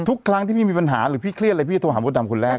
ทุกครั้งที่พี่มีปัญหาหรือพี่เครียดอะไรพี่จะโทรหามดดำคนแรก